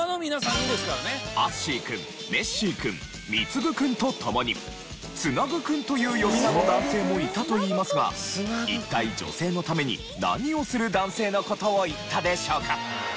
アッシー君メッシー君ミツグ君とともにツナグ君という呼び名の男性もいたといいますが一体女性のために何をする男性の事を言ったでしょうか？